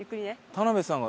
田辺さんが。